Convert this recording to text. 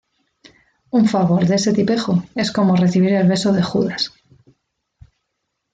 Un favor de ese tipejo es como recibir el beso de Judas